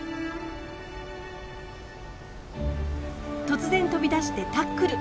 突然飛び出してタックル。